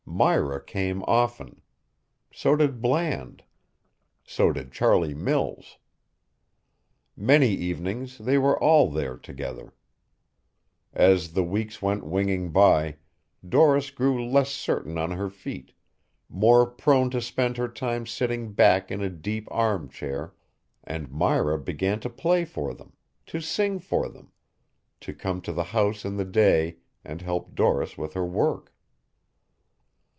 Myra came often. So did Bland. So did Charlie Mills. Many evenings they were all there together. As the weeks went winging by, Doris grew less certain on her feet, more prone to spend her time sitting back in a deep arm chair, and Myra began to play for them, to sing for them to come to the house in the day and help Doris with her work.